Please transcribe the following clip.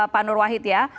pak nur wahid ya